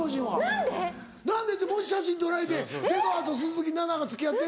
何で⁉何でってもし写真撮られて出川と鈴木奈々が付き合ってる。